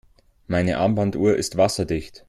Meine Armbanduhr ist wasserdicht.